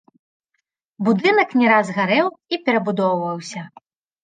Будынак не раз гарэў і перабудоўваўся.